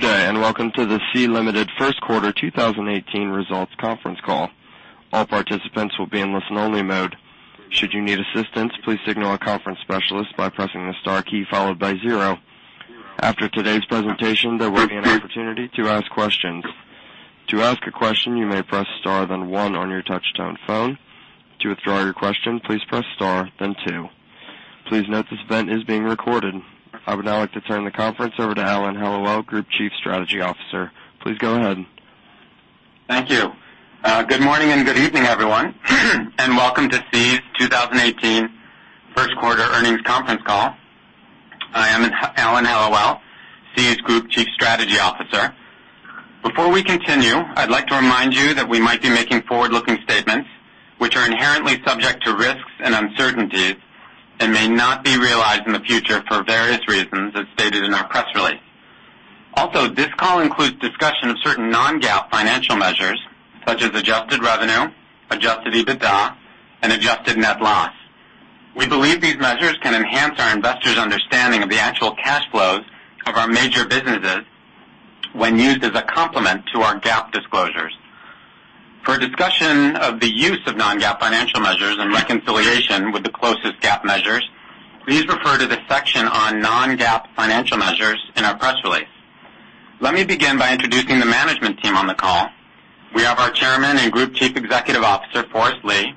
Good day. Welcome to the Sea Limited First Quarter 2018 Results Conference Call. All participants will be in listen-only mode. Should you need assistance, please signal a conference specialist by pressing the star key followed by 0. After today's presentation, there will be an opportunity to ask questions. To ask a question, you may press star then 1 on your touch-tone phone. To withdraw your question, please press star then 2. Please note this event is being recorded. I would now like to turn the conference over to Alan Hellawell, Group Chief Strategy Officer. Please go ahead. Thank you. Good morning, good evening, everyone. Welcome to Sea's 2018 first quarter earnings conference call. I am Alan Hellawell, Sea's Group Chief Strategy Officer. Before we continue, I'd like to remind you that we might be making forward-looking statements, which are inherently subject to risks and uncertainties, and may not be realized in the future for various reasons as stated in our press release. Also, this call includes discussion of certain non-GAAP financial measures, such as adjusted revenue, adjusted EBITDA, and adjusted net loss. We believe these measures can enhance our investors' understanding of the actual cash flows of our major businesses when used as a complement to our GAAP disclosures. For a discussion of the use of non-GAAP financial measures and reconciliation with the closest GAAP measures, please refer to the section on non-GAAP financial measures in our press release. Let me begin by introducing the management team on the call. We have our Chairman and Group Chief Executive Officer, Forrest Li,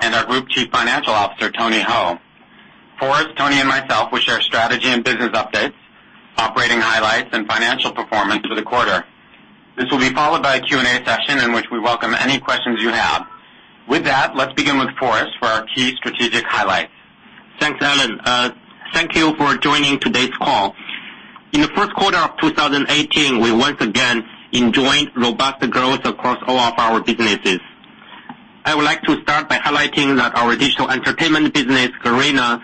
and our Group Chief Financial Officer, Tony Hou. Forrest, Tony, and myself will share strategy and business updates, operating highlights, and financial performance for the quarter. This will be followed by a Q&A session in which we welcome any questions you have. With that, let's begin with Forrest for our key strategic highlights. Thanks, Alan. Thank you for joining today's call. In the first quarter of 2018, we once again enjoyed robust growth across all of our businesses. I would like to start by highlighting that our digital entertainment business, Garena,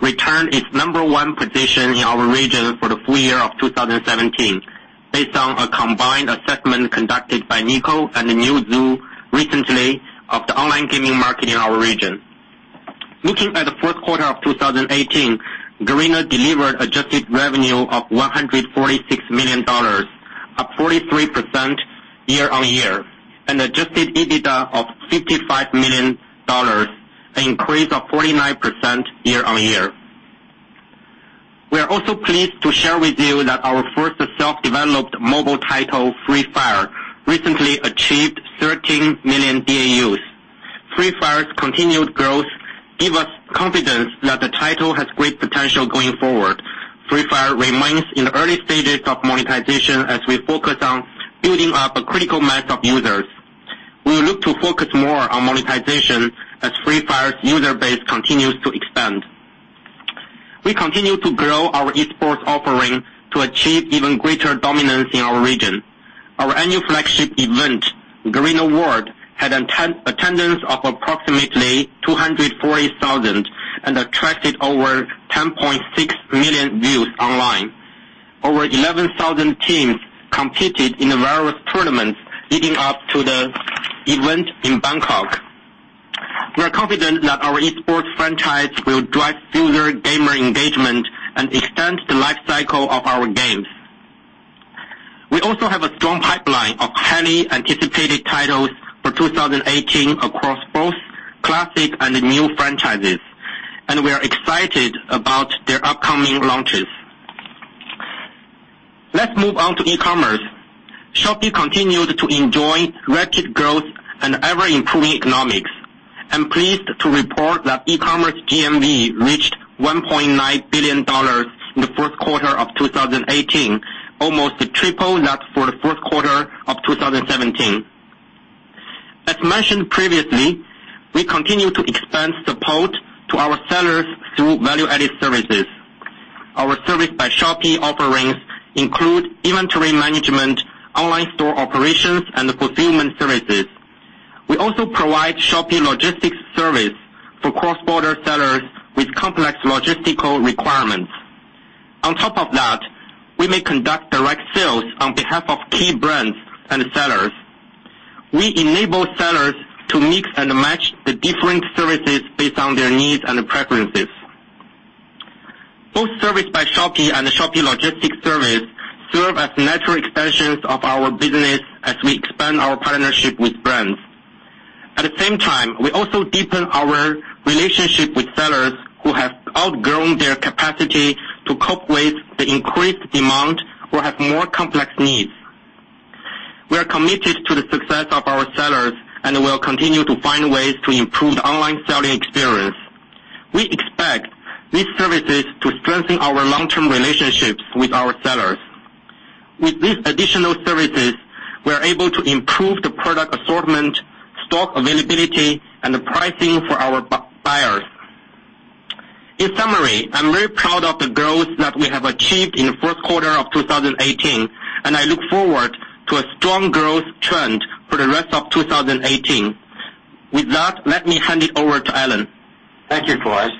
retained its number 1 position in our region for the full year of 2017 based on a combined assessment conducted by Niko and Newzoo recently of the online gaming market in our region. Looking at the first quarter of 2018, Garena delivered adjusted revenue of $146 million, up 43% year-on-year, and adjusted EBITDA of $55 million, an increase of 49% year-on-year. We are also pleased to share with you that our first self-developed mobile title, Free Fire, recently achieved 13 million DAUs. Free Fire's continued growth gives us confidence that the title has great potential going forward. Free Fire remains in the early stages of monetization as we focus on building up a critical mass of users. We look to focus more on monetization as Free Fire's user base continues to expand. We continue to grow our esports offering to achieve even greater dominance in our region. Our annual flagship event, Garena World, had attendance of approximately 240,000 and attracted over 10.6 million views online. Over 11,000 teams competed in various tournaments leading up to the event in Bangkok. We are confident that our esports franchise will drive future gamer engagement and extend the life cycle of our games. We also have a strong pipeline of highly anticipated titles for 2018 across both classic and new franchises, and we are excited about their upcoming launches. Let's move on to e-commerce. Shopee continued to enjoy rapid growth and ever-improving economics. I'm pleased to report that e-commerce GMV reached $1.9 billion in the first quarter of 2018, almost triple that for the first quarter of 2017. As mentioned previously, we continue to expand support to our sellers through value-added services. Our Service by Shopee offerings include inventory management, online store operations, and fulfillment services. We also provide Shopee Logistics Service for cross-border sellers with complex logistical requirements. On top of that, we may conduct direct sales on behalf of key brands and sellers. We enable sellers to mix and match the different services based on their needs and preferences. Both Service by Shopee and Shopee Logistics Service serve as natural expansions of our business as we expand our partnership with brands. At the same time, we also deepen our relationship with sellers who have outgrown their capacity to cope with the increased demand or have more complex needs. We are committed to the success of our sellers and will continue to find ways to improve the online selling experience. We expect these services to strengthen our long-term relationships with our sellers. With these additional services, we are able to improve the product assortment, stock availability, and the pricing for our buyers. In summary, I'm very proud of the growth that we have achieved in the first quarter of 2018, and I look forward to a strong growth trend for the rest of 2018. With that, let me hand it over to Alan. Thank you, Forrest.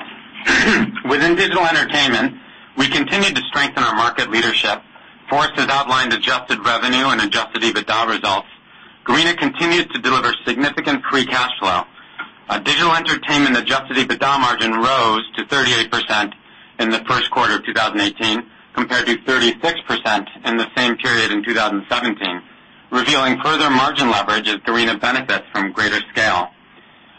Within digital entertainment, we continue to strengthen our market leadership. Forrest has outlined adjusted revenue and adjusted EBITDA results. Garena continues to deliver significant free cash flow. Digital entertainment adjusted EBITDA margin rose to 38% in the first quarter of 2018 compared to 36% in the same period in 2017, revealing further margin leverage as Garena benefits from greater scale.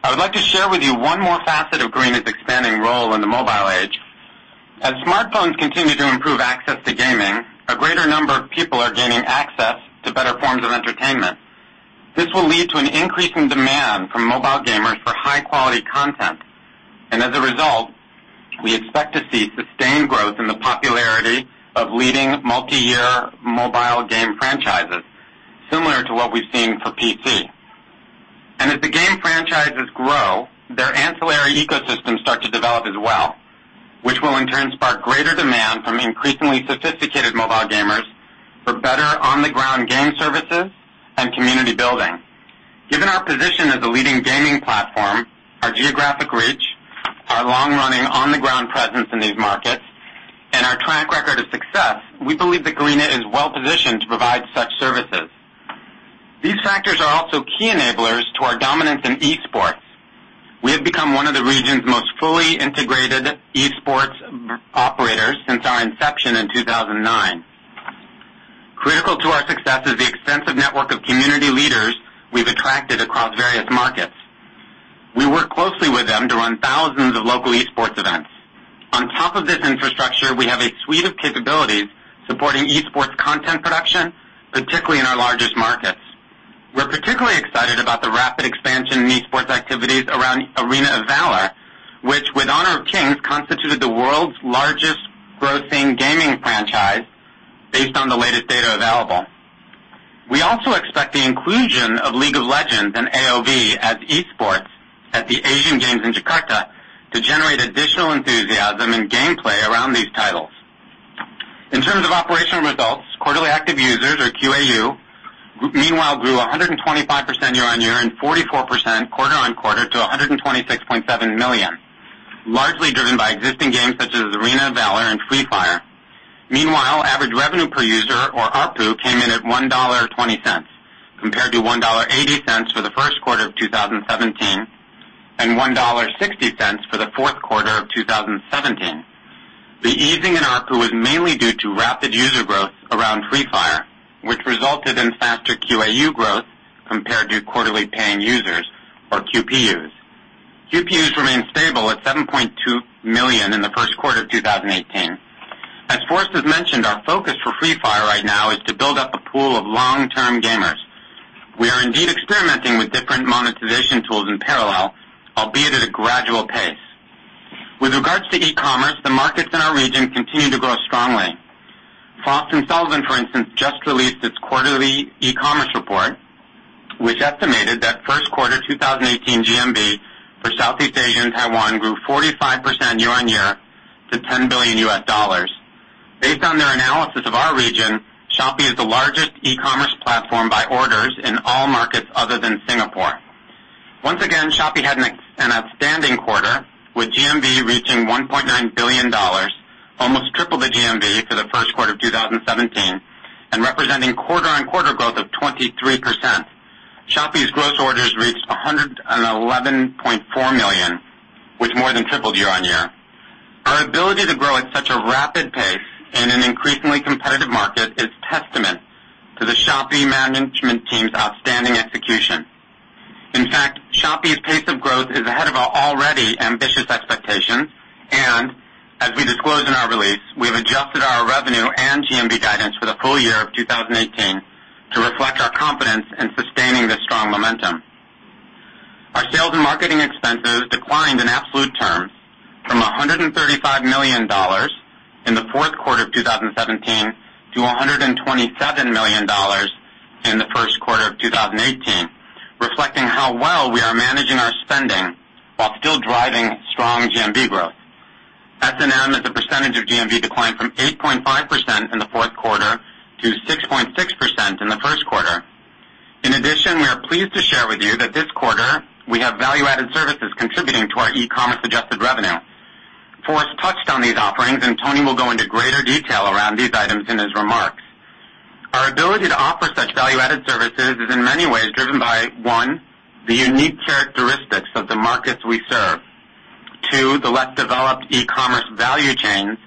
I would like to share with you one more facet of Garena's expanding role in the mobile age. As smartphones continue to improve access to gaming, a greater number of people are gaining access to better forms of entertainment. This will lead to an increase in demand from mobile gamers for high-quality content. As a result, we expect to see sustained growth in the popularity of leading multi-year mobile game franchises, similar to what we've seen for PC. As the game franchises grow, their ancillary ecosystems start to develop as well, which will, in turn, spark greater demand from increasingly sophisticated mobile gamers for better on-the-ground game services and community building. Given our position as a leading gaming platform, our geographic reach, our long-running on-the-ground presence in these markets, and our track record of success, we believe that Garena is well-positioned to provide such services. These factors are also key enablers to our dominance in esports. We have become one of the region's most fully integrated esports operators since our inception in 2009. Critical to our success is the extensive network of community leaders we've attracted across various markets. We work closely with them to run thousands of local esports events. On top of this infrastructure, we have a suite of capabilities supporting esports content production, particularly in our largest markets. We're particularly excited about the rapid expansion in esports activities around Arena of Valor, which with Honor of Kings, constituted the world's largest grossing gaming franchise based on the latest data available. We also expect the inclusion of League of Legends and AOV as esports at the Asian Games in Jakarta to generate additional enthusiasm and gameplay around these titles. In terms of operational results, quarterly active users or QAU, meanwhile grew 125% year-on-year and 44% quarter-on-quarter to 126.7 million, largely driven by existing games such as Arena of Valor and Free Fire. Meanwhile, average revenue per user or ARPU came in at $1.20 compared to $1.80 for the first quarter of 2017 and $1.60 for the fourth quarter of 2017. The easing in ARPU was mainly due to rapid user growth around Free Fire, which resulted in faster QAU growth compared to quarterly paying users or QPUs. QPUs remained stable at 7.2 million in the first quarter of 2018. As Forrest has mentioned, our focus for Free Fire right now is to build up a pool of long-term gamers. We are indeed experimenting with different monetization tools in parallel, albeit at a gradual pace. With regards to e-commerce, the markets in our region continue to grow strongly. Frost & Sullivan, for instance, just released its quarterly e-commerce report, which estimated that first quarter 2018 GMV for Southeast Asia and Taiwan grew 45% year-on-year to $10 billion. Based on their analysis of our region, Shopee is the largest e-commerce platform by orders in all markets other than Singapore. Once again, Shopee had an outstanding quarter with GMV reaching $1.9 billion, almost triple the GMV for the first quarter of 2017 and representing quarter-on-quarter growth of 23%. Shopee's gross orders reached 111.4 million, which more than tripled year-on-year. Our ability to grow at such a rapid pace in an increasingly competitive market is testament to the Shopee management team's outstanding execution. In fact, Shopee's pace of growth is ahead of our already ambitious expectations, and as we disclosed in our release, we have adjusted our revenue and GMV guidance for the full year of 2018 to reflect our confidence in sustaining this strong momentum. Our sales and marketing expenses declined in absolute terms from $135 million in the fourth quarter of 2017 to $127 million in the first quarter of 2018, reflecting how well we are managing our spending while still driving strong GMV growth. S&M as a percentage of GMV declined from 8.5% in the fourth quarter to 6.6% in the first quarter. In addition, we are pleased to share with you that this quarter, we have value-added services contributing to our e-commerce adjusted revenue. Forrest touched on these offerings, Tony will go into greater detail around these items in his remarks. Our ability to offer such value-added services is in many ways driven by, one, the unique characteristics of the markets we serve; two, the less developed e-commerce value chains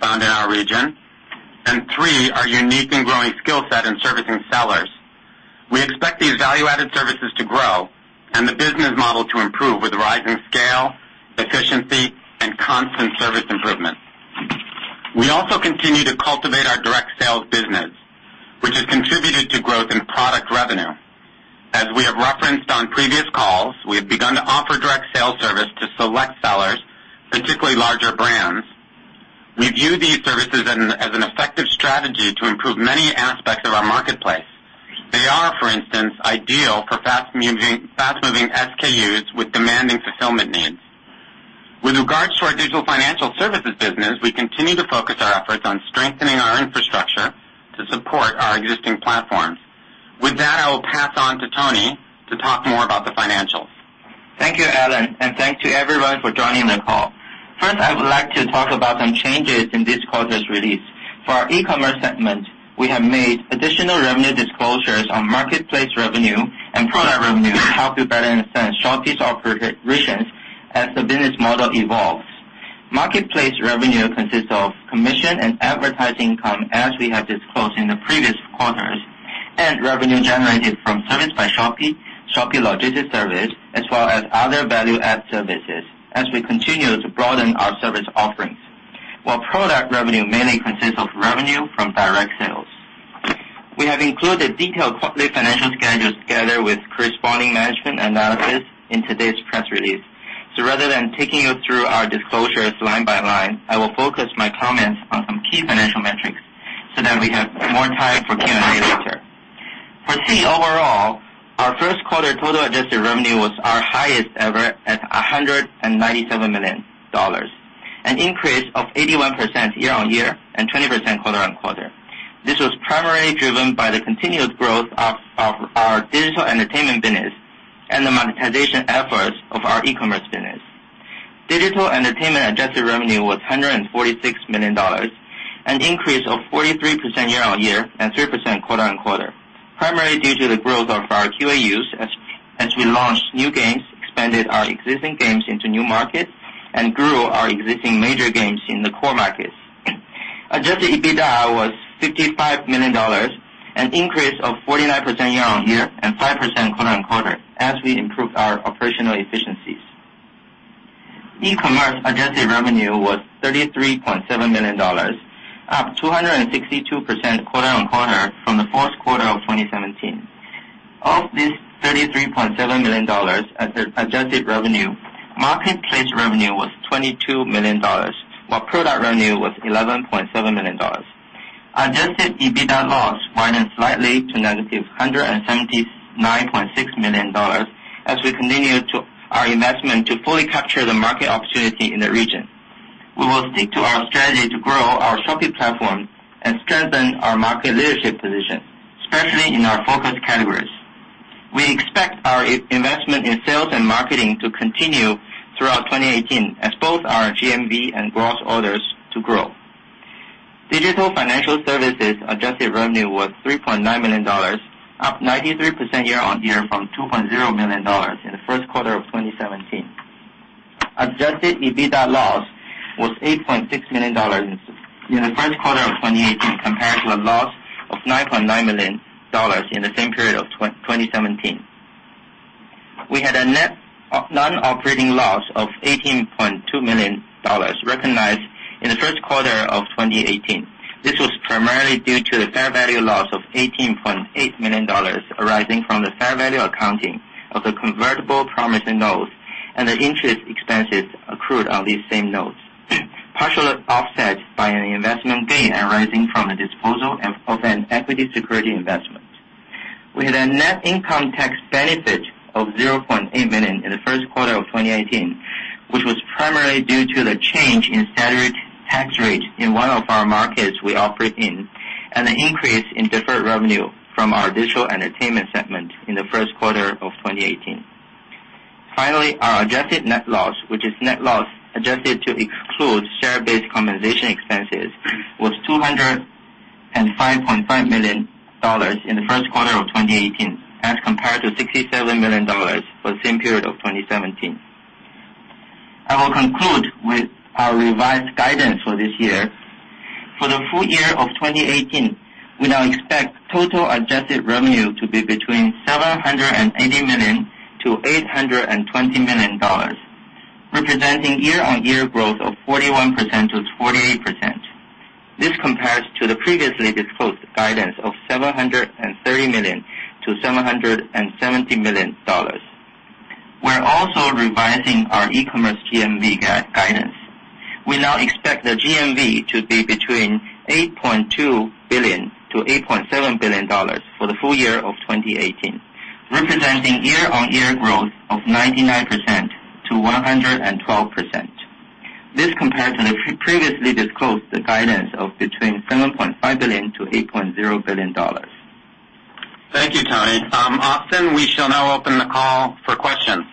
found in our region; and three, our unique and growing skill set in servicing sellers. We expect these value-added services to grow and the business model to improve with rising scale, efficiency, and constant service improvement. We also continue to cultivate our direct sales business, which has contributed to growth in product revenue. As we have referenced on previous calls, we have begun to offer direct sales service to select sellers, particularly larger brands. We view these services as an effective strategy to improve many aspects of our marketplace. They are, for instance, ideal for fast-moving SKUs with demanding fulfillment needs. With regards to our digital financial services business, we continue to focus our efforts on strengthening our infrastructure to support our existing platforms. With that, I will pass on to Tony to talk more about the financials. Thank you, Alan, and thanks to everyone for joining the call. First, I would like to talk about some changes in this quarter's release. For our e-commerce segment, we have made additional revenue disclosures on Marketplace revenue and Product revenue to help you better understand Shopee's operations as the business model evolves. Marketplace revenue consists of commission and advertising income, as we have disclosed in the previous quarters, and revenue generated from Service by Shopee, Shopee Logistics Service, as well as other value-add services as we continue to broaden our service offerings, while Product revenue mainly consists of revenue from direct sales. We have included detailed quarterly financial schedules together with corresponding management analysis in today's press release. Rather than taking you through our disclosures line by line, I will focus my comments on some key financial metrics so that we have more time for Q&A later. For Sea overall, our first quarter total adjusted revenue was our highest ever at $197 million, an increase of 81% year-on-year and 20% quarter-on-quarter. This was primarily driven by the continued growth of our digital entertainment business and the monetization efforts of our e-commerce business. Digital entertainment adjusted revenue was $146 million, an increase of 43% year-on-year and 3% quarter-on-quarter, primarily due to the growth of our QAUs as we launched new games, expanded our existing games into new markets, and grew our existing major games in the core markets. Adjusted EBITDA was $55 million, an increase of 49% year-on-year and 5% quarter-on-quarter as we improved our operational efficiencies. E-commerce adjusted revenue was $33.7 million, up 262% quarter-on-quarter from the fourth quarter of 2017. Of this $33.7 million adjusted revenue, marketplace revenue was $22 million, while product revenue was $11.7 million. Adjusted EBITDA loss widened slightly to negative $179.6 million as we continued our investment to fully capture the market opportunity in the region. We will stick to our strategy to grow our Shopee platform and strengthen our market leadership position, especially in our focus categories. We expect our investment in sales and marketing to continue throughout 2018 as both our GMV and gross orders to grow. Digital financial services adjusted revenue was $3.9 million, up 93% year-on-year from $2.0 million in the first quarter of 2017. Adjusted EBITDA loss was $8.6 million in the first quarter of 2018 compared to a loss of $9.9 million in the same period of 2017. We had a net non-operating loss of $18.2 million recognized in the first quarter of 2018. This was primarily due to the fair value loss of $18.8 million arising from the fair value accounting of the convertible promissory notes and the interest expenses accrued on these same notes, partially offset by an investment gain arising from the disposal of an equity security investment. We had a net income tax benefit of $0.8 million in the first quarter of 2018, which was primarily due to the change in tax rate in one of our markets we operate in and an increase in deferred revenue from our digital entertainment segment in the first quarter of 2018. Finally, our adjusted net loss, which is net loss adjusted to exclude share-based compensation expenses, was $205.5 million in the first quarter of 2018 as compared to $67 million for the same period of 2017. I will conclude with our revised guidance for this year. For the full year of 2018, we now expect total adjusted revenue to be between $780 million-$820 million, representing year-on-year growth of 41%-48%. This compares to the previously disclosed guidance of $730 million-$770 million. We are also revising our e-commerce GMV guidance. We now expect the GMV to be between $8.2 billion-$8.7 billion for the full year of 2018, representing year-on-year growth of 99%-112%. This compares to the previously disclosed guidance of between $7.5 billion-$8.0 billion. Thank you, Tony. Austin, we shall now open the call for questions.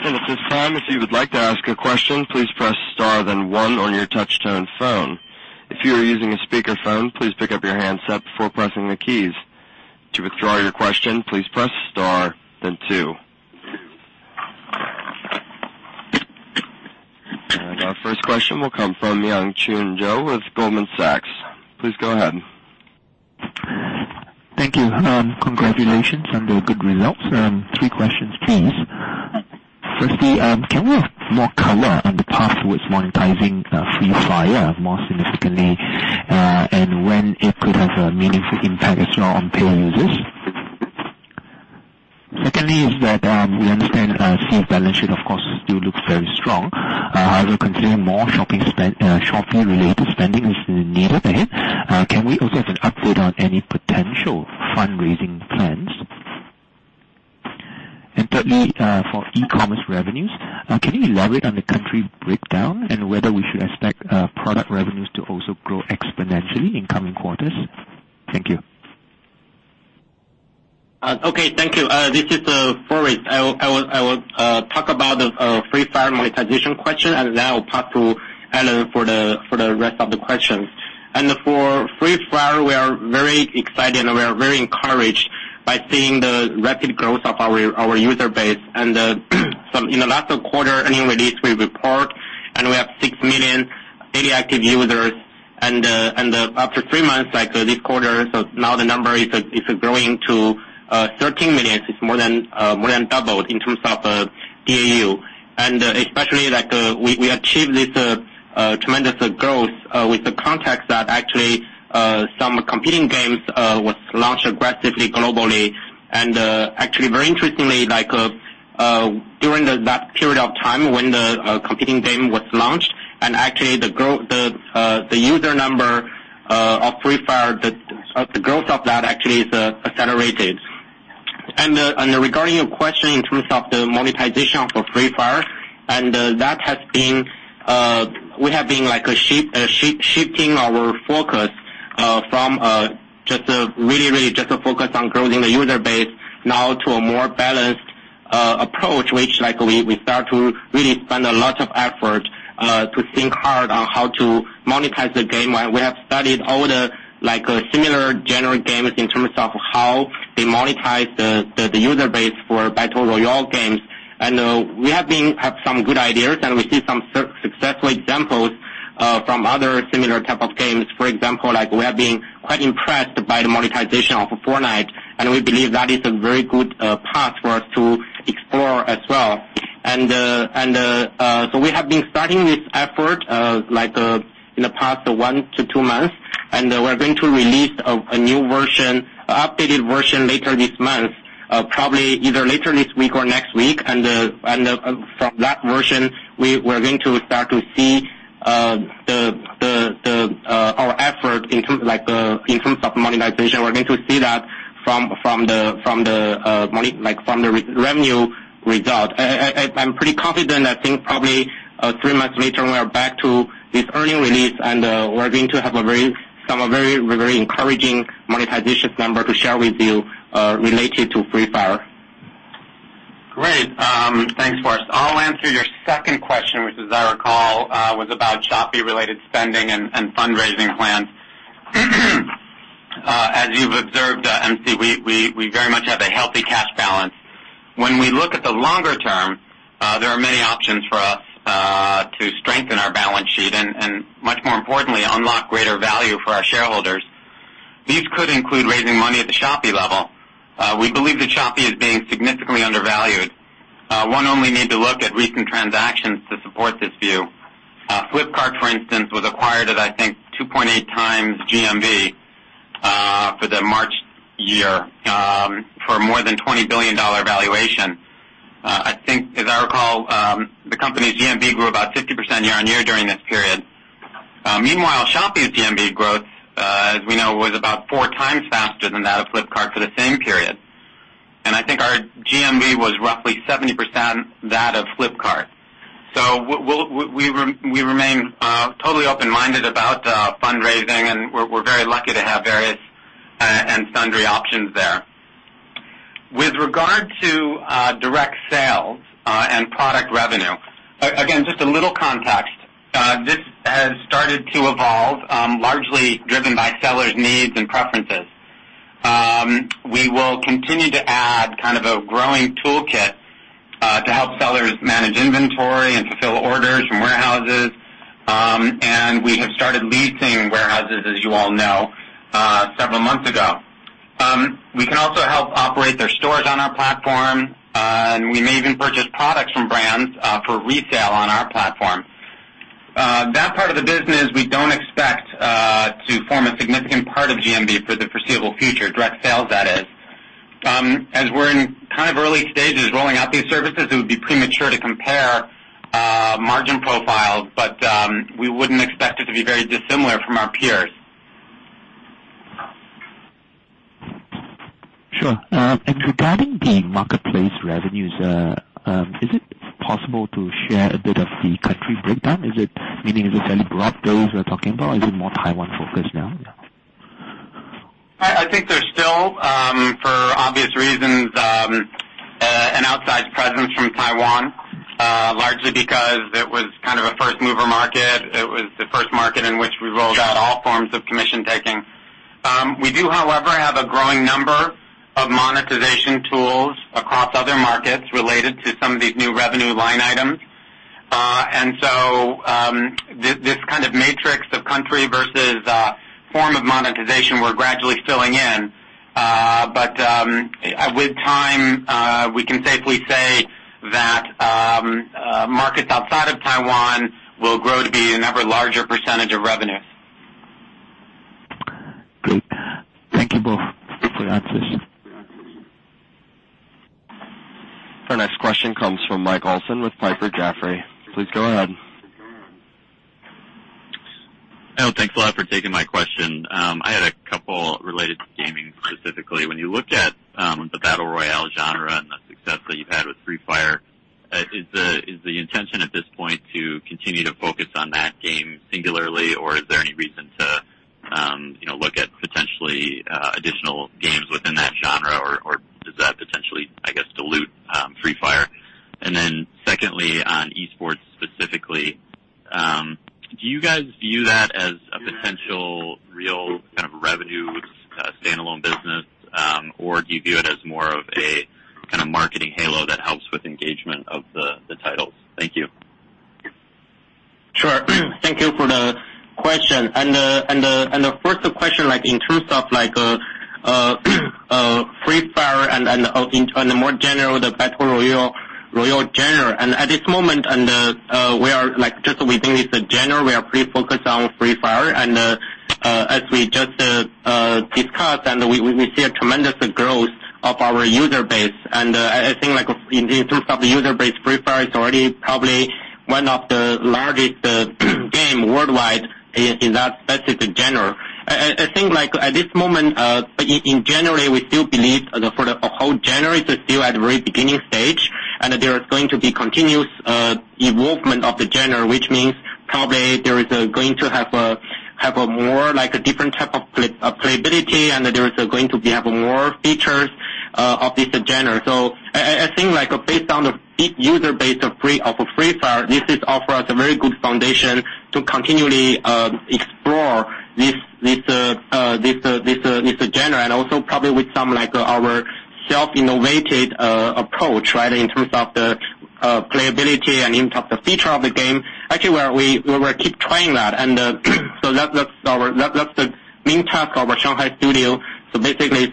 At this time, if you would like to ask a question, please press star then one on your touch-tone phone. If you are using a speakerphone, please pick up your handset before pressing the keys. To withdraw your question, please press star then two. Our first question will come from Yang Chun Zhou with Goldman Sachs. Please go ahead. Thank you. Congratulations on the good results. Three questions, please. Firstly, can we have more color on the path towards monetizing Free Fire more significantly, and when it could have a meaningful impact as well on pay users? Secondly is that we understand Sea's balance sheet, of course, still looks very strong. However, considering more Shopee-related spending is needed ahead, can we also have an update on any potential fundraising plans? Thirdly, for e-commerce revenues, can you elaborate on the country breakdown and whether we should expect product revenues to also grow exponentially in coming quarters? Thank you. Okay, thank you. This is Forrest. I will talk about the Free Fire monetization question, then I'll pass to Alan for the rest of the questions. For Free Fire, we are very excited, and we are very encouraged by seeing the rapid growth of our user base. In the last quarter earnings release we report, we have 6 million daily active users. After three months, like this quarter, now the number is growing to 13 million. It's more than doubled in terms of DAU. Especially, we achieved this tremendous growth with the context that actually some competing games was launched aggressively globally. Actually, very interestingly, during that period of time when the competing game was launched, actually the user number of Free Fire, the growth of that actually is accelerated. Regarding your question in terms of the monetization for Free Fire, we have been shifting our focus from really just a focus on growing the user base now to a more balanced approach, which we start to really spend a lot of effort, to think hard on how to monetize the game. We have studied all the similar genre games in terms of how they monetize the user base for battle royale games. We have some good ideas, and we see some successful examples from other similar type of games. For example, we have been quite impressed by the monetization of Fortnite, and we believe that is a very good path for us to explore as well. We have been starting this effort in the past one to two months, and we're going to release a new version, updated version later this month, probably either later this week or next week. From that version, we're going to start to see our effort in terms of monetization. We're going to see that from the revenue result. I'm pretty confident, I think probably three months later, we are back to this earning release, and we're going to have some very encouraging monetization number to share with you related to Free Fire. Great. Thanks, Forrest. I'll answer your second question, which as I recall, was about Shopee-related spending and fundraising plans. As you've observed, Y.C., we very much have a healthy cash balance. When we look at the longer term, there are many options for us to strengthen our balance sheet and, much more importantly, unlock greater value for our shareholders. These could include raising money at the Shopee level. We believe that Shopee is being significantly undervalued. One only need to look at recent transactions to support this view. Flipkart, for instance, was acquired at, I think, 2.8x GMV for the March year, for more than $20 billion valuation. I think as I recall, the company's GMV grew about 50% year-on-year during this period. Meanwhile, Shopee's GMV growth, as we know, was about 4 times faster than that of Flipkart for the same period. I think our GMV was roughly 70% that of Flipkart. We remain totally open-minded about fundraising, and we're very lucky to have various and sundry options there. With regard to direct sales and product revenue, again, just a little context. This has started to evolve, largely driven by sellers' needs and preferences. We will continue to add kind of a growing toolkit, to help sellers manage inventory and fulfill orders from warehouses. We have started leasing warehouses, as you all know, several months ago. We can also help operate their stores on our platform, and we may even purchase products from brands for resale on our platform. That part of the business, we don't expect to form a significant part of GMV for the foreseeable future, direct sales, that is. As we're in kind of early stages rolling out these services, it would be premature to compare margin profiles, but we wouldn't expect it to be very dissimilar from our peers. Sure. Regarding the marketplace revenues, is it possible to share a bit of the country breakdown? Meaning, is it fairly broad base we are talking about? Is it more Taiwan-focused now? I think there's still, for obvious reasons, an outsized presence from Taiwan, largely because it was kind of a first-mover market. It was the first market in which we rolled out all forms of commission taking. We do, however, have a growing number of monetization tools across other markets related to some of these new revenue line items. So, this kind of matrix of country versus form of monetization we're gradually filling in. With time, we can safely say that markets outside of Taiwan will grow to be an ever larger percentage of revenue. Great. Thank you both for the answers. Our next question comes from Michael Olson with Piper Jaffray. Please go ahead. Thanks a lot for taking my question. I had a couple related to gaming, specifically. When you look at the battle royale genre? Is the intention at this point to continue to focus on that game singularly, or is there any reason to look at potentially additional games within that genre, or does that potentially, I guess, dilute Free Fire? Secondly, on esports specifically, do you guys view that as a potential real kind of revenue standalone business, or do you view it as more of a kind of marketing halo that helps with engagement of the titles? Thank you. Sure. Thank you for the question. The first question, in terms of Free Fire and more general, the battle royale genre. At this moment, just within this genre, we are pretty focused on Free Fire. As we just discussed, we see a tremendous growth of our user base. I think in terms of the user base, Free Fire is already probably one of the largest game worldwide in that specific genre. I think at this moment, in general, we still believe for the whole genre it is still at the very beginning stage, and there is going to be continuous evolvement of the genre, which means probably there is going to have a more different type of playability, and there is going to have more features of this genre. I think based on the big user base of Free Fire, this has offered us a very good foundation to continually explore this genre and also probably with some our self-innovated approach in terms of the playability and in terms of feature of the game. Actually, we will keep trying that. That's the main task of our Shanghai studio. Basically,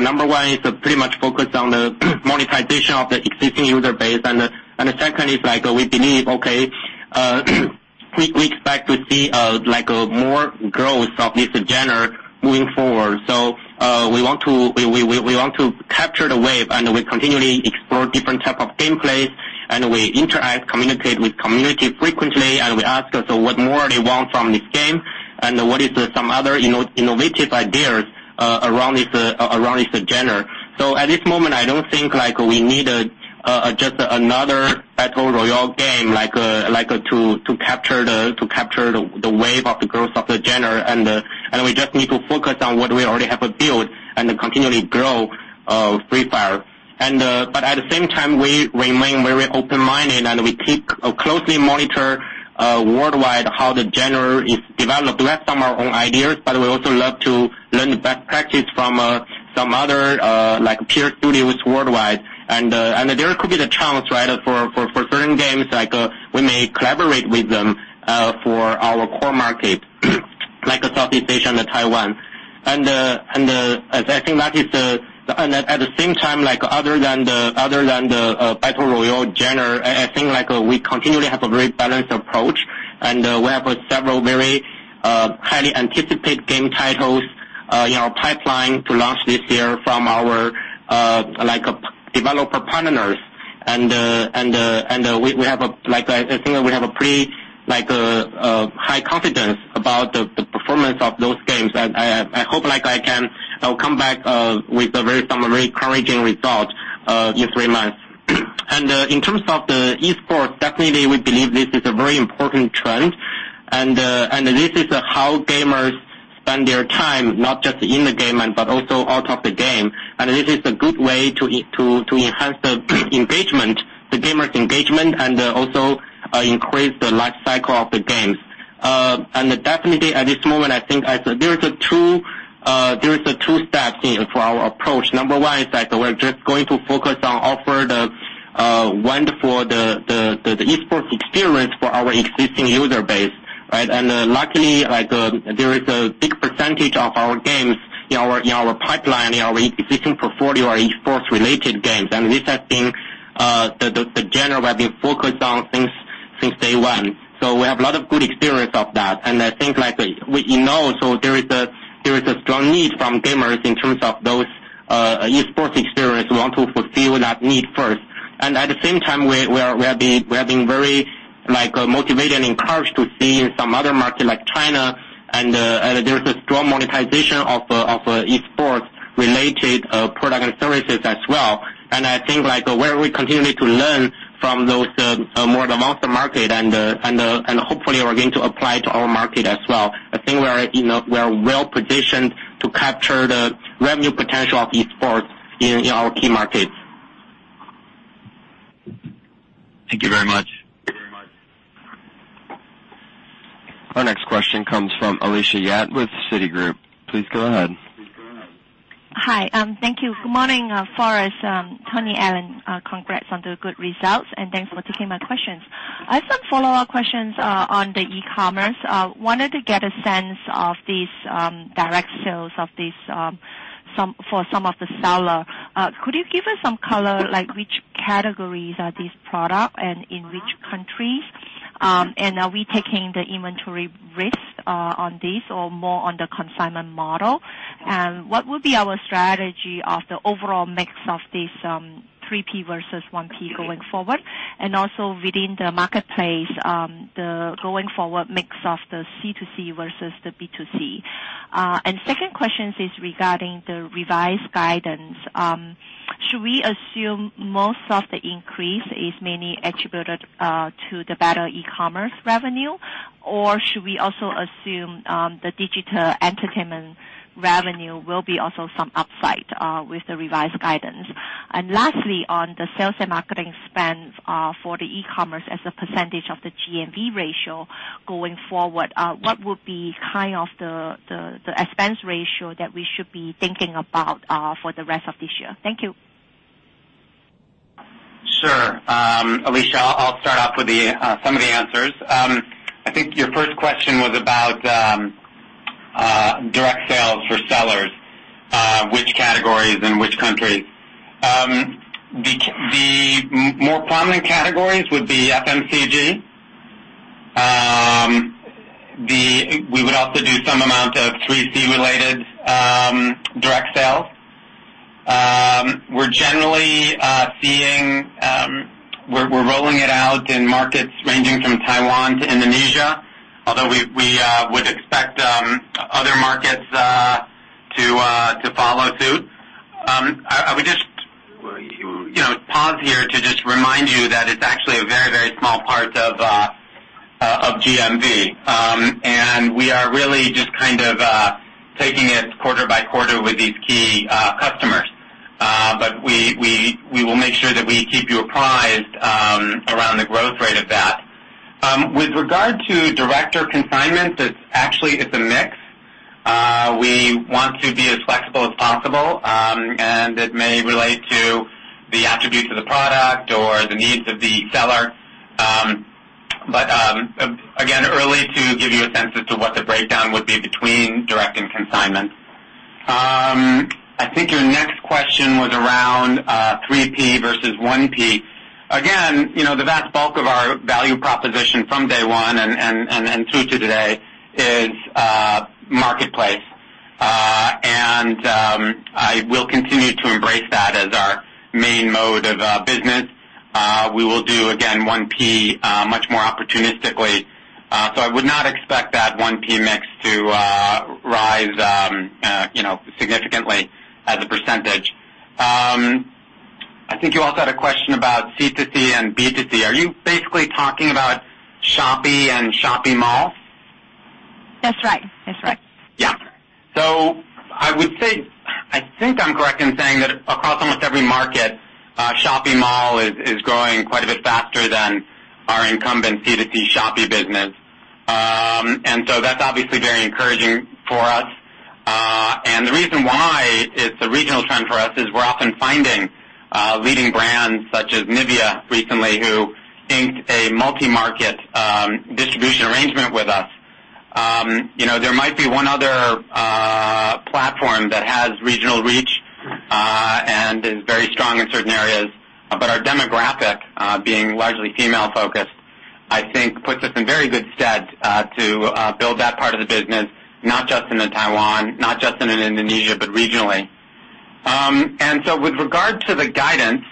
number 1 is pretty much focused on the monetization of the existing user base. The second is we believe, okay, we expect to see more growth of this genre moving forward. We want to capture the wave, and we continually explore different type of gameplays, and we interact, communicate with community frequently, and we ask us what more they want from this game and what is some other innovative ideas around this genre. At this moment, I don't think we need just another battle royale game to capture the wave of the growth of the genre. We just need to focus on what we already have built and continually grow Free Fire. At the same time, we remain very open-minded, and we keep closely monitor worldwide how the genre is developed, based on our own ideas. We also love to learn best practice from some other peer studios worldwide. There could be the chance for certain games, we may collaborate with them for our core market, like Southeast Asia and Taiwan. At the same time, other than the battle royale genre, I think we continually have a very balanced approach. We have several very highly anticipated game titles in our pipeline to launch this year from our developer partners. I think that we have a pretty high confidence about the performance of those games. I hope I can come back with some very encouraging results in three months. In terms of the esports, definitely we believe this is a very important trend and this is how gamers spend their time, not just in the game but also out of the game. This is a good way to enhance the engagement, the gamers engagement, and also increase the life cycle of the games. Definitely at this moment, I think there is a two steps in for our approach. Number one is that we are just going to focus on offer the wonderful esports experience for our existing user base, right? Luckily, there is a big percentage of our games in our pipeline, in our existing portfolio are esports-related games. This has been the genre we have been focused on since day one. We have a lot of good experience of that. I think we know there is a strong need from gamers in terms of those esports experience. We want to fulfill that need first. At the same time, we have been very motivated and encouraged to see in some other market like China, and there is a strong monetization of esports-related product and services as well. I think where we continue to learn from those more developed market and hopefully we're going to apply to our market as well. I think we are well-positioned to capture the revenue potential of esports in our key markets. Thank you very much. Our next question comes from Alicia Yap with Citigroup. Please go ahead. Hi. Thank you. Good morning, Forrest, Tony, Alan. Congrats on the good results, and thanks for taking my questions. I have some follow-up questions on the e-commerce. Wanted to get a sense of these direct sales for some of the seller? Could you give us some color, like which categories are these product and in which countries? Are we taking the inventory risk on this or more on the consignment model? What would be our strategy of the overall mix of this 3P versus 1P going forward? Also within the marketplace, the going forward mix of the C2C versus the B2C? Second question is regarding the revised guidance. Should we assume most of the increase is mainly attributed to the better e-commerce revenue? Or should we also assume the digital entertainment revenue will be also some upside with the revised guidance? Lastly, on the sales and marketing spend for the e-commerce as a percentage of the GMV ratio going forward, what would be the expense ratio that we should be thinking about for the rest of this year? Thank you. Sure. Alicia, I'll start off with some of the answers. I think your first question was about direct sales for sellers, which categories and which countries. The more prominent categories would be FMCG. We would also do some amount of 3C-related direct sales. We're rolling it out in markets ranging from Taiwan to Indonesia, although we would expect other markets to follow suit. I would just pause here to just remind you that it's actually a very small part of GMV. We are really just kind of taking it quarter by quarter with these key customers. We will make sure that we keep you apprised around the growth rate of that. With regard to direct or consignment, it's actually a mix. We want to be as flexible as possible. It may relate to the attributes of the product or the needs of the seller. Again, early to give you a sense as to what the breakdown would be between direct and consignment. I think your next question was around 3P versus 1P. Again, the vast bulk of our value proposition from day one and then through to today is marketplace. I will continue to embrace that as our main mode of business. We will do, again, 1P much more opportunistically. I would not expect that 1P mix to rise significantly as a percentage. I think you also had a question about C2C and B2C. Are you basically talking about Shopee and Shopee Mall? That's right. Yeah. I would say, I think I'm correct in saying that across almost every market, Shopee Mall is growing quite a bit faster than our incumbent C2C Shopee business. That's obviously very encouraging for us. The reason why it's a regional trend for us is we're often finding leading brands such as Nivea recently, who inked a multi-market distribution arrangement with us. There might be one other platform that has regional reach, and is very strong in certain areas. Our demographic, being largely female-focused, I think puts us in very good stead to build that part of the business, not just in Taiwan, not just in Indonesia, but regionally. With regard to the guidance,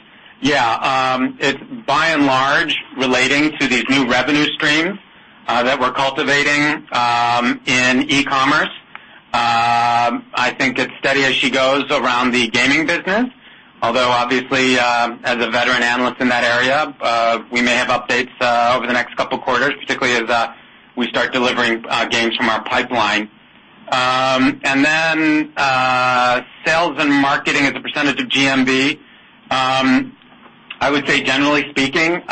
yeah, it's by and large relating to these new revenue streams that we're cultivating in e-commerce. I think it's steady as she goes around the gaming business, although obviously, as a veteran analyst in that area, we may have updates over the next couple of quarters, particularly as we start delivering games from our pipeline. Sales and marketing as a percentage of GMV. I would say, generally speaking,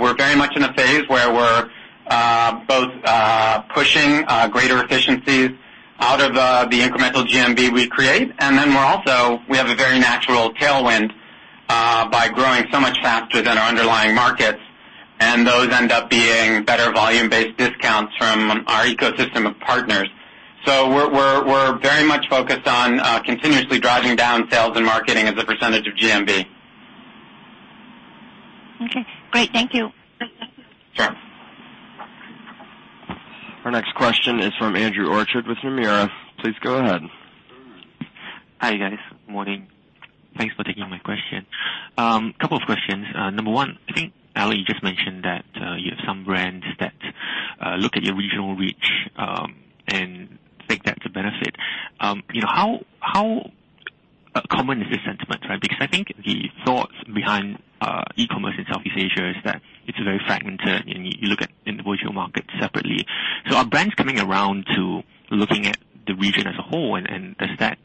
we're very much in a phase where we're both pushing greater efficiencies out of the incremental GMV we create. We have a very natural tailwind by growing so much faster than our underlying markets, and those end up being better volume-based discounts from our ecosystem of partners. We're very much focused on continuously driving down sales and marketing as a percentage of GMV. Okay, great. Thank you. Sure. Our next question is from Andrew Orchard with Nomura. Please go ahead. Hi, guys. Good morning. Thanks for taking my question. Couple of questions. Number one, I think, Ali, you just mentioned that you have some brands that look at your regional reach and think that's a benefit. How common is this sentiment, right? Because I think the thoughts behind e-commerce in Southeast Asia is that it's very fragmented, and you look at individual markets separately. Are brands coming around to looking at the region as a whole, and does that,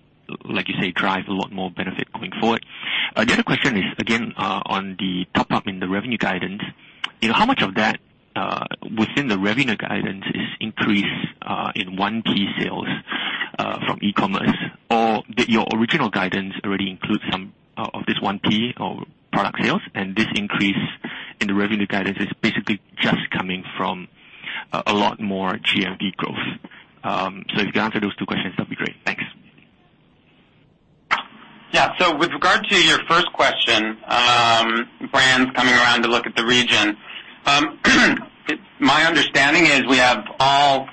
like you say, drive a lot more benefit going forward? The other question is, again, on the top up in the revenue guidance. How much of that within the revenue guidance is increase in 1P sales from e-commerce? Did your original guidance already include some of this 1P or product sales, and this increase in the revenue guidance is basically just coming from a lot more GMV growth? If you can answer those two questions, that'd be great. Thanks. Yeah. With regard to your first question, brands coming around to look at the region. My understanding is we have all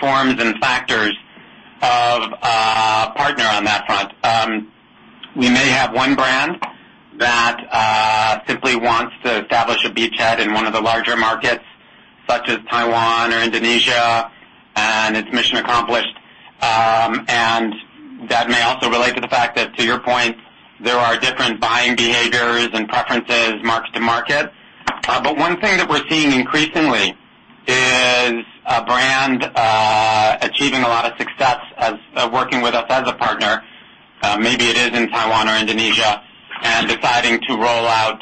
forms and factors of a partner on that front. We may have one brand that really wants to establish a beachhead in one of the larger markets such as Taiwan or Indonesia, and it's mission accomplished. That may also relate to the fact that, to your point, there are different buying behaviors and preferences market to market. One thing that we're seeing increasingly is a brand achieving a lot of success of working with us as a partner, maybe it is in Taiwan or Indonesia, and deciding to roll out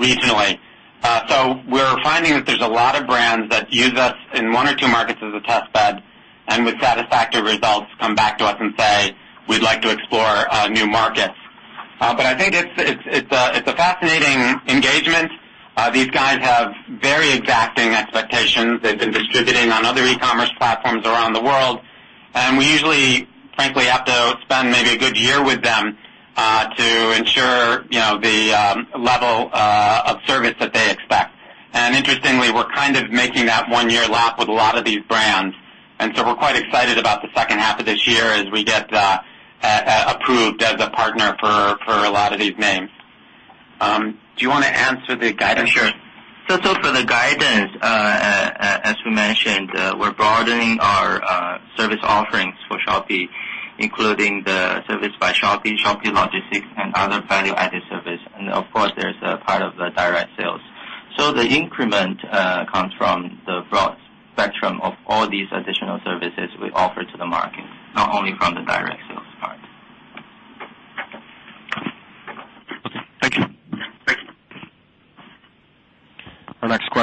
regionally. We're finding that there's a lot of brands that use us in one or two markets as a test bed, and with satisfactory results, come back to us and say, "We'd like to explore new markets." I think it's a fascinating engagement. These guys have very exacting expectations. They've been distributing on other e-commerce platforms around the world, and we usually, frankly, have to spend maybe a good year with them, to ensure the level of service that they expect. Interestingly, we're kind of making that one-year lap with a lot of these brands. We're quite excited about the second half of this year as we get approved as a partner for a lot of these names. Do you want to answer the guidance? Sure. For the guidance, as we mentioned, we're broadening our service offerings for Shopee, including the Service by Shopee Logistics, and other value-added service. Of course, there's a part of the direct sales. The increment comes from the broad spectrum of all these additional services we offer to the market, not only from the direct sales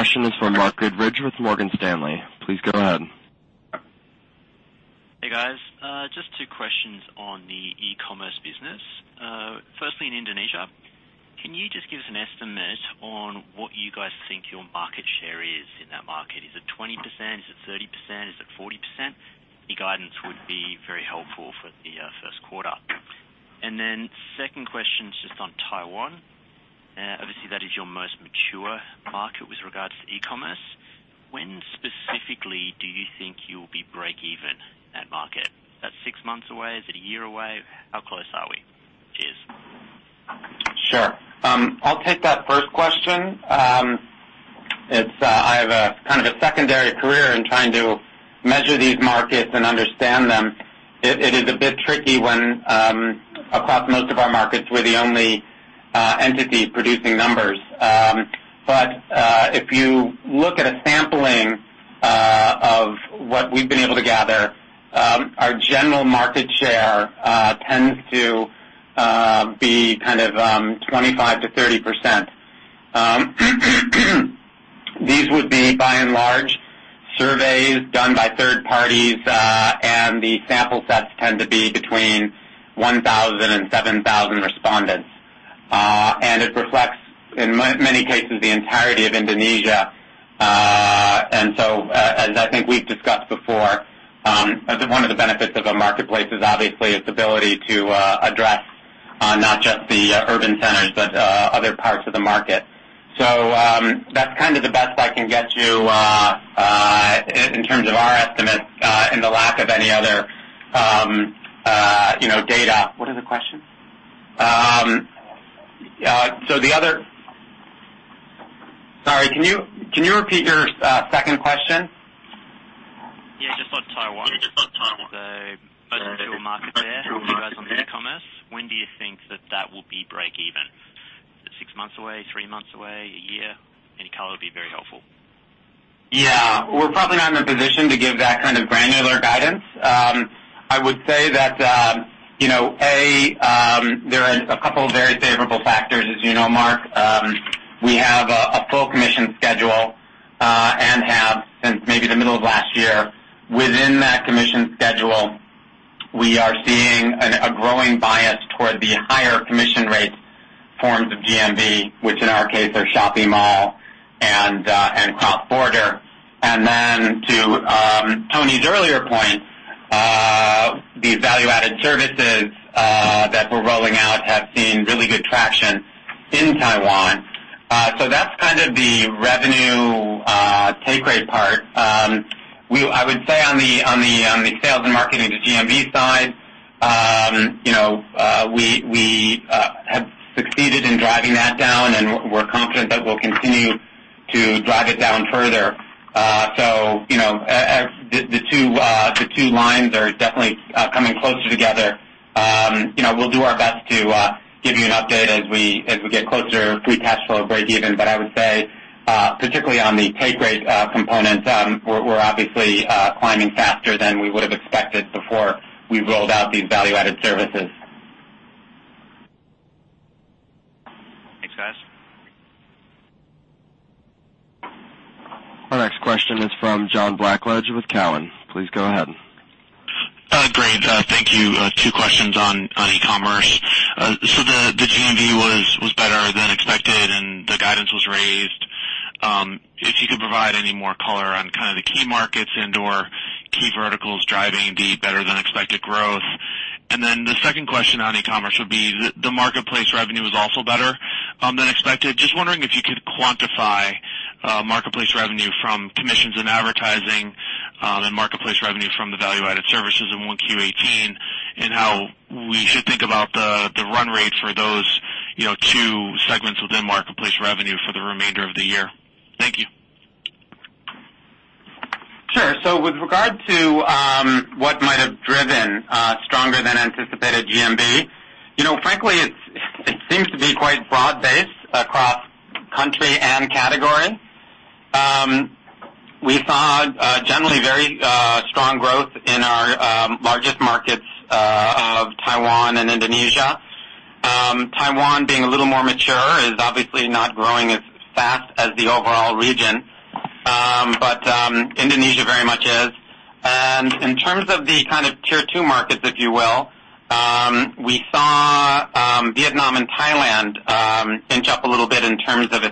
part. Okay. Thank you. Our next question is from Mark Goodridge with Morgan Stanley. Please go ahead. Hey, guys. Just two questions on the e-commerce business. Firstly, in Indonesia, can you just give us an estimate on what you guys think your market share is in that market? Is it 20%? Is it 30%? Is it 40%? Any guidance would be very helpful for the first quarter. Second question is just on Taiwan. Obviously, that is your most mature market with regards to e-commerce. When specifically do you think you'll be break-even that market? Is that six months away? Is it a year away? How close are we? Cheers. Sure. I'll take that first question. I have a kind of a secondary career in trying to measure these markets and understand them. It is a bit tricky when, across most of our markets, we're the only entity producing numbers. If you look at a sampling of what we've been able to gather, our general market share tends to be 25%-30%. These would be by and large, surveys done by third parties, and the sample sets tend to be between 1,000 and 7,000 respondents. It reflects, in many cases, the entirety of Indonesia. As I think we've discussed before, one of the benefits of a marketplace is obviously its ability to address not just the urban centers, but other parts of the market. That's kind of the best I can get you in terms of our estimates, in the lack of any other data. What is the question? Sorry, can you repeat your second question? Yeah. Just on Taiwan. As a mature market there for you guys on e-commerce, when do you think that that will be break-even? Is it six months away, three months away, a year? Any color would be very helpful. Yeah. We're probably not in a position to give that kind of granular guidance. I would say that, A, there are a couple of very favorable factors, as you know, Mark. We have a full commission schedule, and have since maybe the middle of last year. Within that commission schedule, we are seeing a growing bias toward the higher commission rate forms of GMV, which in our case are Shopee Mall and cross-border. Then to Tony's earlier point, these value-added services that we're rolling out have seen really good traction in Taiwan. That's kind of the revenue take rate part. I would say on the sales and marketing to GMV side, we have succeeded in driving that down, and we're confident that we'll continue to drive it down further. The two lines are definitely coming closer together. We'll do our best to give you an update as we get closer to free cash flow break-even. I would say, particularly on the take rate component, we're obviously climbing faster than we would've expected before we rolled out these value-added services. Thanks, guys. Our next question is from John Blackledge with Cowen. Please go ahead. Great. Thank you. Two questions on e-commerce. The GMV was better than expected and the guidance was raised. If you could provide any more color on kind of the key markets and/or key verticals driving the better-than-expected growth. The second question on e-commerce would be, the marketplace revenue was also better than expected. Just wondering if you could quantify marketplace revenue from commissions and advertising, and marketplace revenue from the value-added services in 1Q18. How we should think about the run rate for those two segments within marketplace revenue for the remainder of the year. Thank you. Sure. With regard to what might have driven stronger than anticipated GMV, frankly, it seems to be quite broad-based across country and category. We saw generally very strong growth in our largest markets of Taiwan and Indonesia. Taiwan, being a little more mature, is obviously not growing as fast as the overall region. Indonesia very much is. In terms of the kind of tier 2 markets, if you will, we saw Vietnam and Thailand inch up a little bit in terms of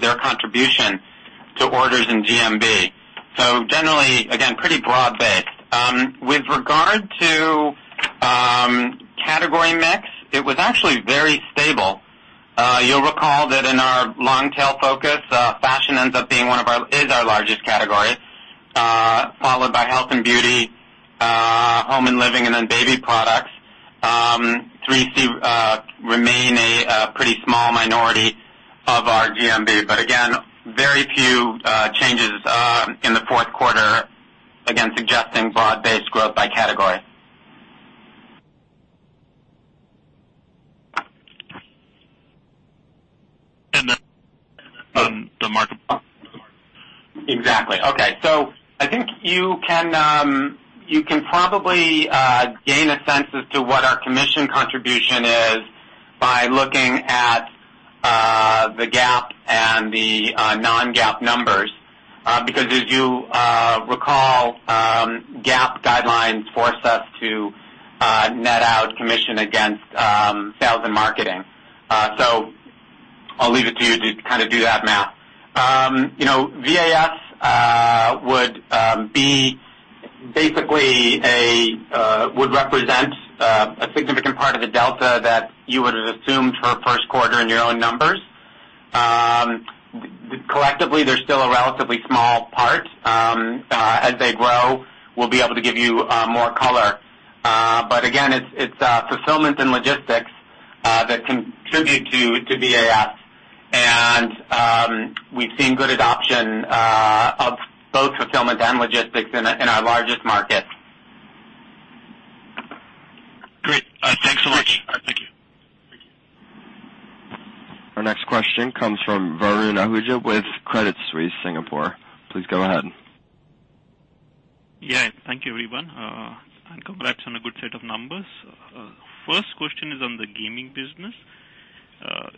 their contribution to orders in GMV. Generally, again, pretty broad-based. With regard to category mix, it was actually very stable. You'll recall that in our long-tail focus, fashion ends up is our largest category, followed by health and beauty, home and living, and then baby products. 3C remain a pretty small minority of our GMV. Again, very few changes in the fourth quarter, again, suggesting broad-based growth by category. Then on the marketplace. Exactly. Okay. I think you can probably gain a sense as to what our commission contribution is by looking at the GAAP and the non-GAAP numbers. As you recall, GAAP guidelines force us to net out commission against sales and marketing. I'll leave it to you to do that math. VAS would represent a significant part of the delta that you would have assumed for first quarter in your own numbers. Collectively, they're still a relatively small part. As they grow, we'll be able to give you more color. Again, it's fulfillment and logistics that contribute to VAS. We've seen good adoption of both fulfillment and logistics in our largest markets. Great. Thanks so much. Thank you. Our next question comes from Varun Ahuja with Credit Suisse Singapore. Please go ahead. Yeah. Thank you, everyone, and congrats on a good set of numbers. First question is on the gaming business.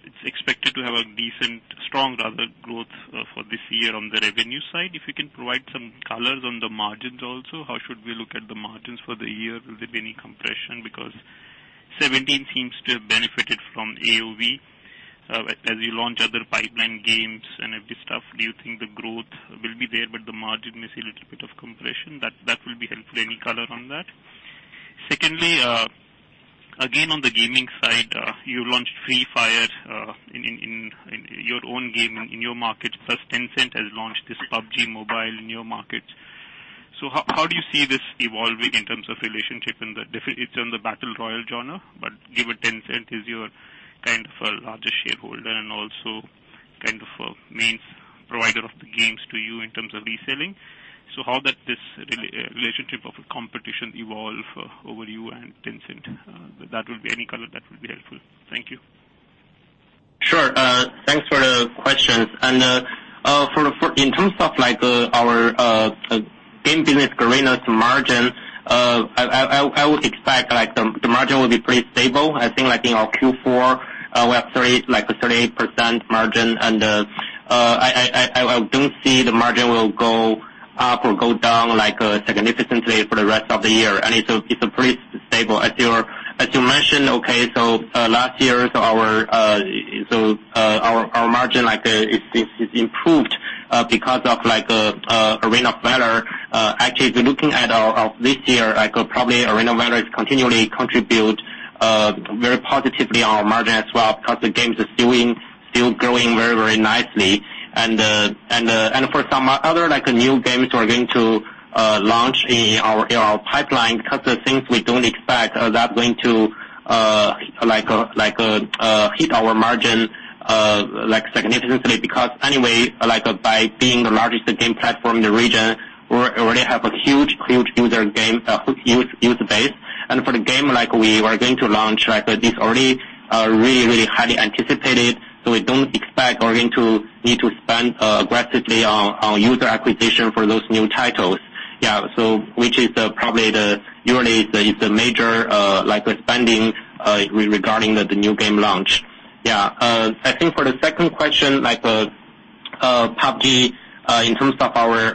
It's expected to have a decent, strong rather, growth for this year on the revenue side. If you can provide some colors on the margins also. How should we look at the margins for the year? Will there be any compression? Because 2017 seems to have benefited from AOV. As you launch other pipeline games and this stuff, do you think the growth will be there, but the margin may see a little bit of compression? That will be helpful. Any color on that? Secondly, again, on the gaming side, you launched Free Fire in your own game in your market. Plus, Tencent has launched this PUBG Mobile in your market. How do you see this evolving in terms of relationship in the? It's on the battle royale genre, but given Tencent is your kind of larger shareholder and also kind of a main provider of the games to you in terms of reselling. How that this relationship of competition evolve over you and Tencent? Any color that would be helpful. Thank you. Sure. Thanks for the questions. In terms of our game business, Garena's margin, I would expect the margin will be pretty stable. I think in our Q4, we have a 38% margin, and I don't see the margin will go up or go down significantly for the rest of the year. It's pretty stable. As you mentioned, last year, our margin is improved because of Arena of Valor. Actually, looking at this year, probably Arena of Valor is continually contribute very positively on our margin as well because the game is still growing very nicely. For some other new games we're going to launch in our pipeline because the things we don't expect are that going to hit our margin significantly. By being the largest game platform in the region, we already have a huge user base. For the game we were going to launch, this already really highly anticipated, so we don't expect we're going to need to spend aggressively on user acquisition for those new titles. Yeah. Which is probably usually it's a major spending regarding the new game launch. Yeah. I think for the second question, PUBG in terms of our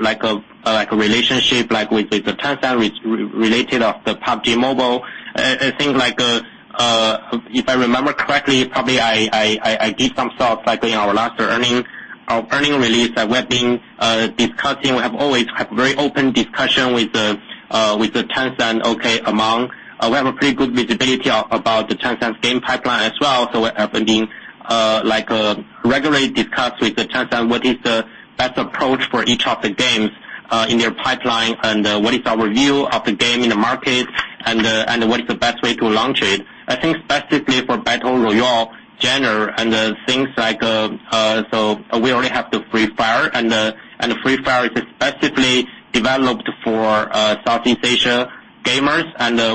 relationship with Tencent related of the PUBG Mobile, I think if I remember correctly, probably I gave some thoughts in our last earning release that we've been discussing. We have always have very open discussion with Tencent. We have a pretty good visibility about Tencent's game pipeline as well. We're having regularly discuss with Tencent what is the best approach for each of the games. In their pipeline and what is our view of the game in the market and what is the best way to launch it. I think specifically for battle royale genre and the things like. We already have the Free Fire and the Free Fire is specifically developed for Southeast Asia gamers.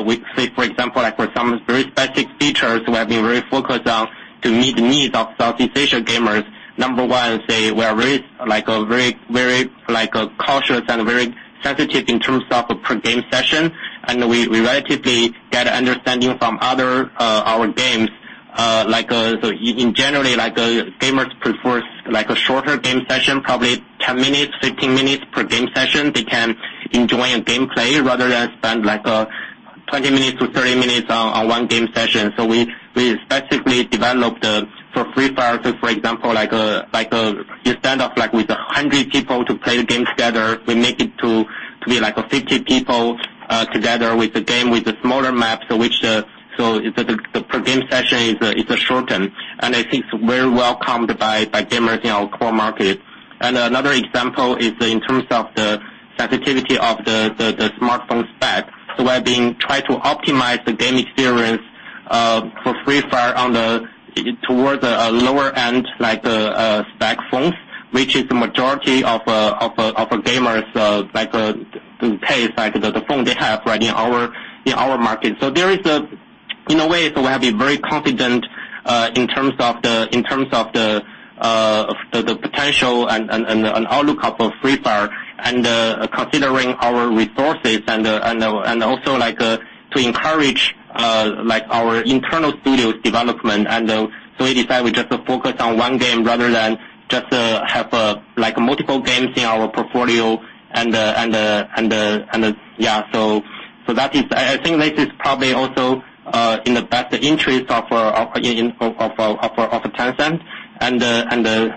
We say, for example, like for some very specific features, we have been very focused on to meet the needs of Southeast Asia gamers. Number one, we are very cautious and very sensitive in terms of per game session. We relatively get an understanding from our games. In general, gamers prefers a shorter game session, probably 10 minutes, 15 minutes per game session. They can enjoy a game play rather than spend 20 minutes to 30 minutes on one game session. We specifically developed for Free Fire, for example, like, you stand off with 100 people to play the game together. We make it to be a 50 people together with the game, with the smaller map. The per game session is shortened. I think it's very welcomed by gamers in our core market. Another example is in terms of the sensitivity of the smartphone spec. We have been trying to optimize the game experience for Free Fire towards a lower end spec phones, which is the majority of gamers like to use the phone they have right in our market. In a way, we have been very confident in terms of the potential and outlook of Free Fire and considering our resources and also to encourage our internal studios development. We decided we just focus on one game rather than just have multiple games in our portfolio. I think this is probably also in the best interest of Tencent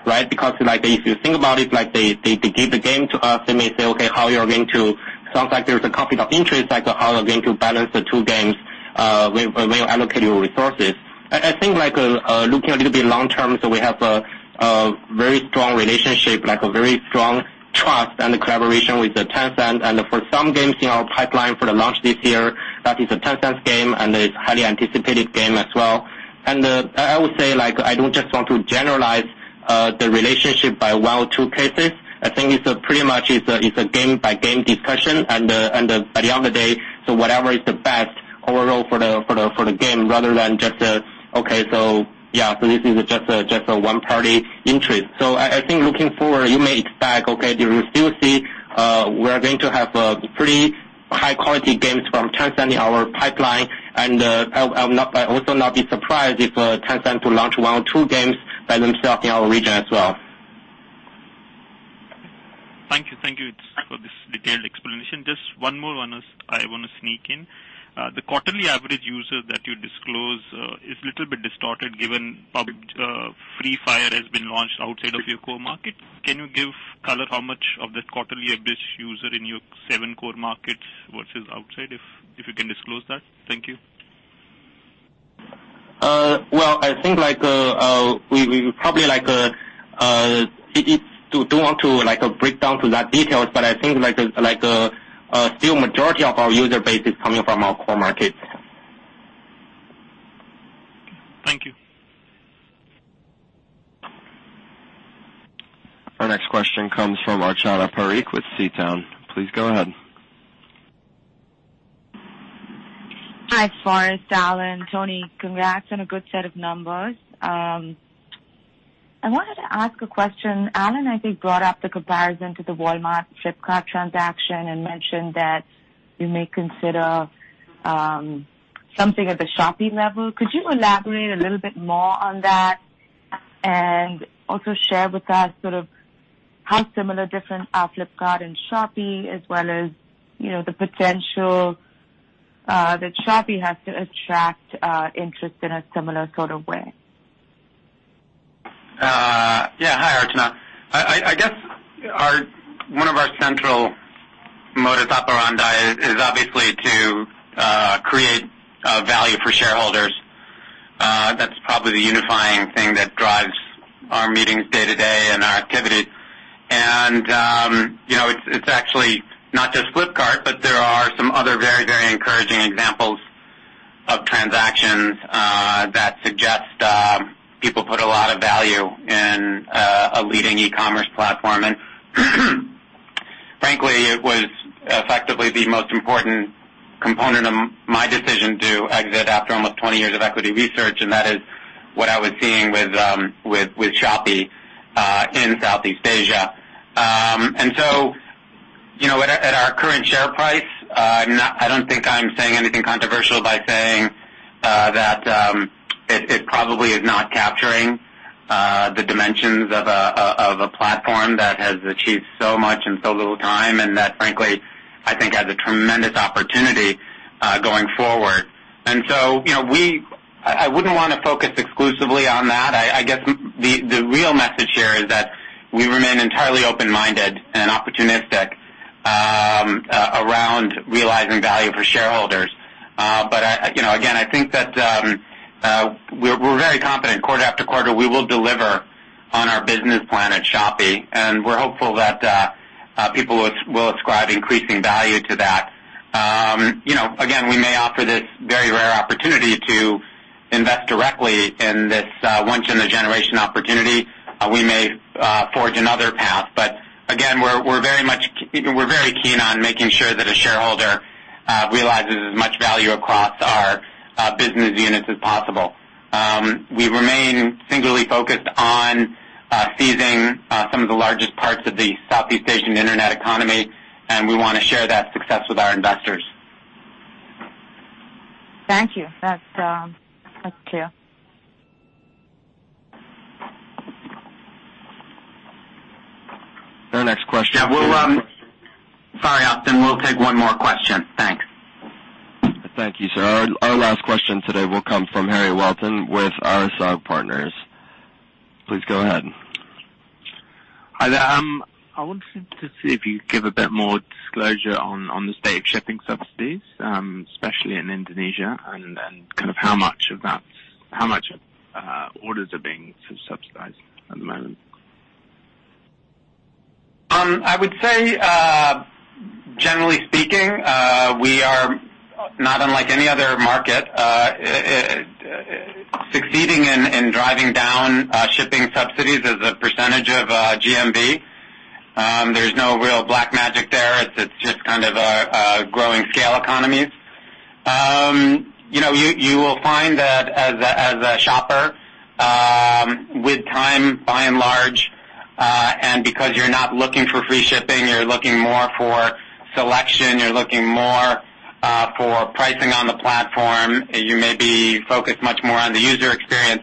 right because if you think about it, they give the game to us, they may say, "Okay, how you're going to." Sounds like there's a conflict of interest, how we're going to balance the two games, where we allocate your resources. I think looking a little bit long-term, we have a very strong relationship, a very strong trust and collaboration with Tencent. For some games in our pipeline for the launch this year, that is a Tencent game and it's highly anticipated game as well. I would say, I don't just want to generalize the relationship by one or two cases. I think it's pretty much a game by game discussion. At the end of the day, whatever is the best overall for the game rather than just a one-party interest. I think looking forward, you may expect, do you still see we're going to have pretty high-quality games from Tencent in our pipeline and I'll also not be surprised if Tencent to launch one or two games by themselves in our region as well. Thank you. Thank you for this detailed explanation. Just one more I want to sneak in. The quarterly average user that you disclose is little bit distorted given Free Fire has been launched outside of your core market. Can you give color how much of that quarterly average user in your seven core markets versus outside, if you can disclose that? Thank you. Well, I think like, we probably don't want to break down to that details, but I think still majority of our user base is coming from our core markets. Thank you. Our next question comes from Archana Parekh with Seatown Holdings. Please go ahead. Hi, Forrest, Alan, Tony. Congrats on a good set of numbers. I wanted to ask a question. Alan, I think, brought up the comparison to the Walmart Flipkart transaction and mentioned that you may consider something at the Shopee level. Could you elaborate a little bit more on that and also share with us sort of how similar different are Flipkart and Shopee as well as the potential that Shopee has to attract interest in a similar sort of way? Yeah. Hi, Archana. I guess one of our central modus operandi is obviously to create value for shareholders. That's probably the unifying thing that drives our meetings day to day and our activity. It's actually not just Flipkart, but there are some other very, very encouraging examples of transactions that suggest people put a lot of value in a leading e-commerce platform, and frankly, it was effectively the most important component of my decision to exit after almost 20 years of equity research, and that is what I was seeing with Shopee in Southeast Asia. At our current share price, I don't think I'm saying anything controversial by saying that it probably is not capturing the dimensions of a platform that has achieved so much in so little time, and that frankly, I think has a tremendous opportunity going forward. I wouldn't want to focus exclusively on that. I guess the real message here is that we remain entirely open-minded and opportunistic around realizing value for shareholders. Again, I think that we're very confident quarter after quarter, we will deliver on our business plan at Shopee, and we're hopeful that people will ascribe increasing value to that. Again, we may offer this very rare opportunity to invest directly in this once-in-a-generation opportunity. We may forge another path. Again, we're very keen on making sure that a shareholder realizes as much value across our business units as possible. We remain singularly focused on seizing some of the largest parts of the Southeast Asian internet economy, and we want to share that success with our investors. Thank you. That's clear. Our next question- Yeah. Sorry, Austin, we'll take one more question. Thanks. Thank you, sir. Our last question today will come from Harry Harten with RSR Partners. Please go ahead. Hi there. I wanted to see if you could give a bit more disclosure on the state of shipping subsidies, especially in Indonesia, and then how much orders are being subsidized at the moment. I would say, generally speaking, we are not unlike any other market. Succeeding in driving down shipping subsidies as a percentage of GMV. There's no real black magic there. It's just growing scale economies. You will find that as a shopper, with time, by and large, and because you're not looking for free shipping, you're looking more for selection, you're looking more for pricing on the platform, you may be focused much more on the user experience.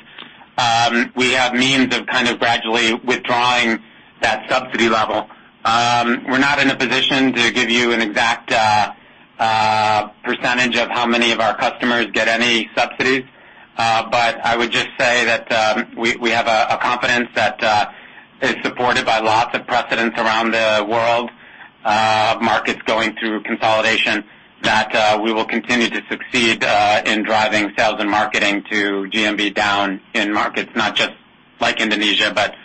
We have means of gradually withdrawing that subsidy level. We're not in a position to give you an exact percentage of how many of our customers get any subsidies. I would just say that we have a confidence that is supported by lots of precedents around the world of markets going through consolidation, that we will continue to succeed in driving sales and marketing to GMV down in markets, not just like Indonesia, but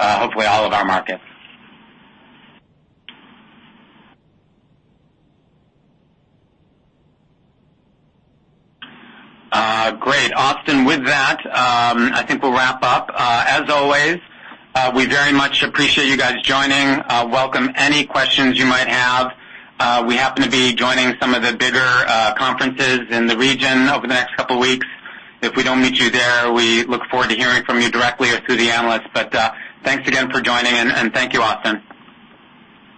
hopefully all of our markets. Great. Austin, with that, I think we'll wrap up. As always, we very much appreciate you guys joining. Welcome any questions you might have. We happen to be joining some of the bigger conferences in the region over the next couple of weeks. If we don't meet you there, we look forward to hearing from you directly or through the analysts. Thanks again for joining in, and thank you, Austin.